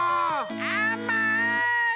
あまい！